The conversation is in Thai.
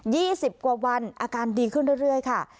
ยี่สิบกว่าวันอาการดีขึ้นเรื่อยค่ะ